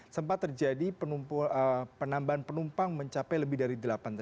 sempat terjadi penambahan penumpang mencapai lebih dari delapan ratus